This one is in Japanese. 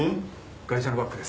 ガイシャのバッグです。